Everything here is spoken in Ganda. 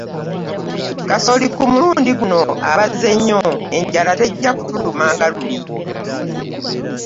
Kasooli ku mulundi guno abaze nnyo enjala tejja kutuluma nga luli.